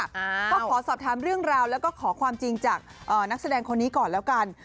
ก็ขอสอบถามเรื่องราวแล้วก็ขอความจริงจากนักแสดงคนนี้ก่อนแล้วกัน